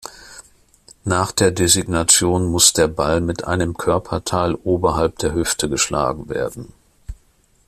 Nach der Designation muss der Ball mit einem Körperteil oberhalb der Hüfte geschlagen werden.